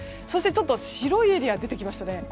そしてちょっと白いエリアが出てきましたね。